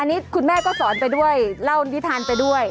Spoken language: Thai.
อันนี้คุณแม่ก็สอนไปด้วยเล่านิทานไปด้วย